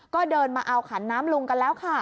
ก็เดินมาเอาขันน้ำลุงกันแล้วค่ะ